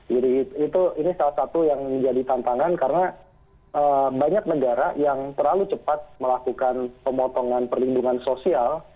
jadi itu salah satu yang menjadi tantangan karena banyak negara yang terlalu cepat melakukan pemotongan perlindungan sosial